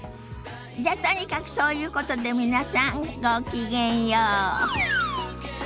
じゃとにかくそういうことで皆さんごきげんよう。